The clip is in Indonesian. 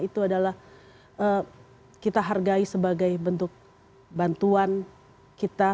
itu adalah kita hargai sebagai bentuk bantuan kita